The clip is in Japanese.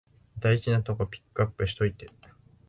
大事なとこピックアップしといて